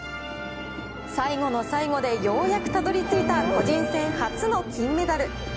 最後の最後でようやくたどりついた個人戦初の金メダル。